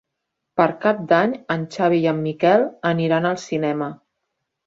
Per Cap d'Any en Xavi i en Miquel aniran al cinema.